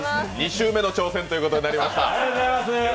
２周目の挑戦ということになりました。